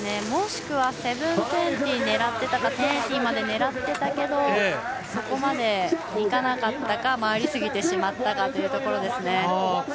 もしくは７２０を狙っていたか１０８０まで狙っていたけどそこまで行かなかったか回りすぎてしまったかというところですね。